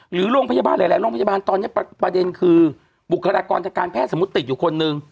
หรือโรงพยาบาลหลายโรงพยาบาลตอนนี้ประเด็นคือบุคลากรทางการแพทย์สมมุติติดอยู่คนนึง